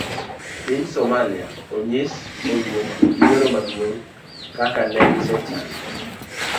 Piny somalia onyis oluong yiero maduong' kaka negisechano.